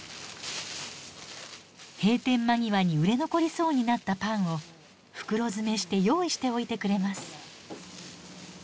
閉店間際に売れ残りそうになったパンを袋詰めして用意しておいてくれます。